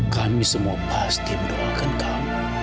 kami semua pasti mendoakan kami